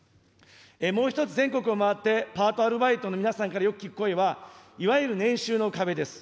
もう１つ全国を回って、パート、アルバイトの皆さんからよく聞く声は、いわゆる年収の壁です。